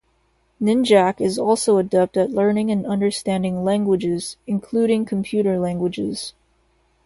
Ninjak is also adept at learning and understanding languages, including computer languages.